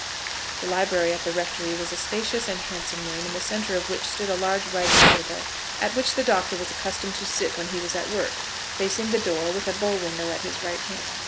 The library at the rectory was a spacious and handsome room, in the centre of which stood a large writing table, at which the Doctor was accustomed to sit when he was at work, facing the door, with a bow window at his right hand.